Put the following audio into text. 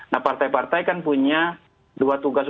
nah partai partai kan punya dua tugas